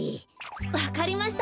わかりました。